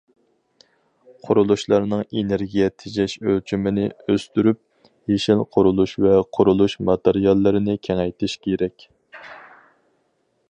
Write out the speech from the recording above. قۇرۇلۇشلارنىڭ ئېنېرگىيە تېجەش ئۆلچىمىنى ئۆستۈرۈپ، يېشىل قۇرۇلۇش ۋە قۇرۇلۇش ماتېرىياللىرىنى كېڭەيتىش كېرەك.